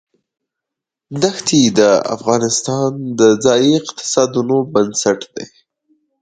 دښتې د افغانستان د ځایي اقتصادونو بنسټ دی.